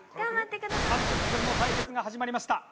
３０分の対決が始まりました。